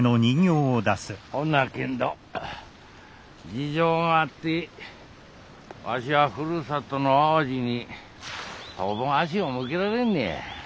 ほんなけんど事情があってわしはふるさとの淡路に当分足を向けられんのや。